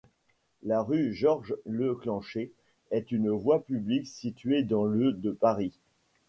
La rue Georges-Leclanché est une voie publique située dans le de Paris.